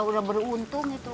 udah beruntung itu